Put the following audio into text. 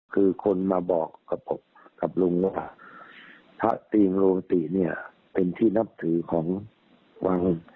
คือคนมาบอกกับผมกับลุงว่าพระตีมรวมติเป็นที่นับถือของวัง